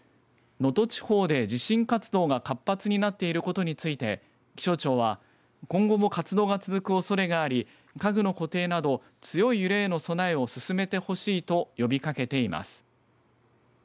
能登地方で地震活動が活発になっていることについて気象庁は今後も活動が続くおそれがあり家具の固定など強い揺れへの備えを進めてほしいと呼びかけています。